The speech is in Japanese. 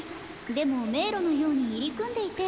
でもめいろのようにいりくんでいて。